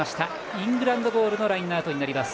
イングランドボールのラインアウト。